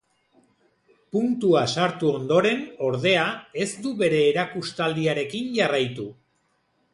Puntua sartu ondoren, ordea, ez du bere erakustaldiarekin jarraitu.